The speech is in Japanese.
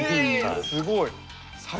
すごい。